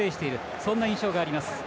そんな印象があります。